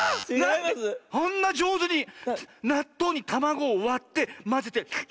あんなじょうずになっとうにたまごをわってまぜて。